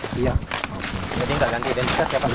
iya jadi enggak ganti identitas ya pak